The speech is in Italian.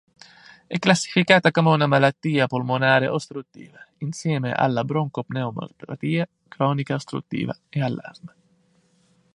È classificata come una malattia polmonare ostruttiva, insieme alla broncopneumopatia cronica ostruttiva e all'asma.